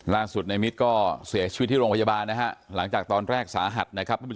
ล่างสุดในมิสของเสียชีวิตลงพยาบาลหลังจากตอนแรกสหัส